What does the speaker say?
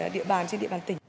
địa bàn trên địa bàn tỉnh